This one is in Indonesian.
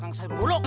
waw punma ah